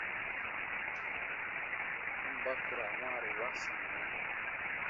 Tɔmba ku ra wãaru wa sannu.